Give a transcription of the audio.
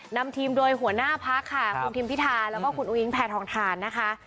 นำทีมโดยหัวหน้าพักค่ะคุณทิมพิธาแล้วก็คุณอุ้งแพทองทานนะคะ